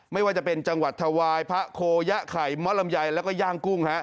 ไม่ว่าจะเป็นจังหวัดถวายพระโคยะไข่ม้อลำไยแล้วก็ย่างกุ้ง